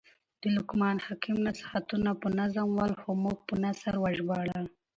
د لقمان حکم حکایتونه په نظم ول؛ خو موږ په نثر وژباړل.